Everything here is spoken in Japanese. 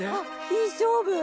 いい勝負。